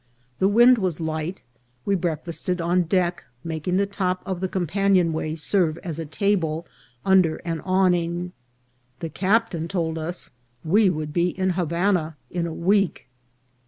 The wind was light ; we breakfasted on deck, making the top of the companion way serve as a table under an awning. The captain told us we would be in Havana in a week.